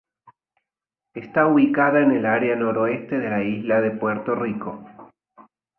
Está ubicada en el área noreste de la Isla de Puerto Rico.